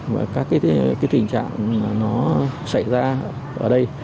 và các cái tình trạng mà nó xảy ra ở đây